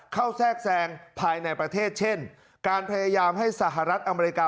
แทรกแซงภายในประเทศเช่นการพยายามให้สหรัฐอเมริกา